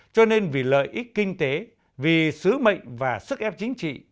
cho nên vì lợi ích kinh tế vì sứ mệnh và sức ép chính trị